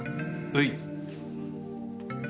はい。